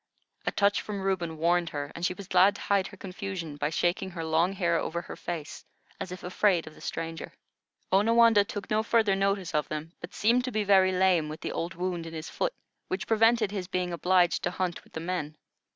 A touch from Reuben warned her, and she was glad to hide her confusion by shaking her long hair over her face, as if afraid of the stranger. Onawandah took no further notice of them, but seemed to be very lame with the old wound in his foot, which prevented his being obliged to hunt with the men.